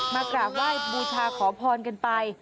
กราบไหว้บูชาขอพรกันไป